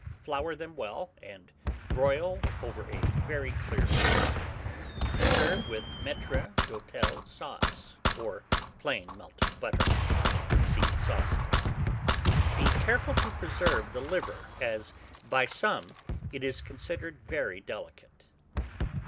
Flour them well, and broil over a very clear fire. Serve with maître d'hôtel sauce, or plain melted butter (see Sauces). Be careful to preserve the liver, as by some it is considered very delicate.